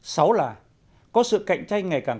sáu là có sự cạnh tranh ngày càng